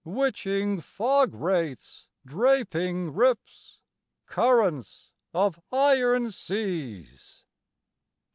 Witching fog wraiths draping rips! Currents of iron seas!